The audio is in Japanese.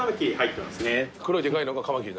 黒いデカいのがカマキリ？